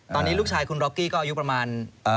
ตอนนี้ลูกชายคุณร็อกกี้ก็อายุประมาณ